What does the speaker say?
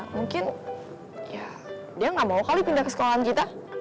mungkin dia ga mau kali pindah ke sekolah kita